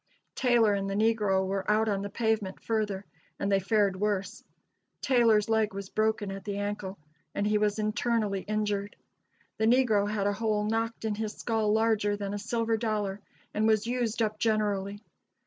Taylor and the negro were out on the pavement further, and they fared worse. Taylor's leg was broken at the ankle, and he was internally injured. The negro had a hole knocked in his skull larger than a silver dollar, and was used up generally.